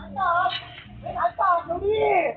ถังสอบถังสอบหนูดิ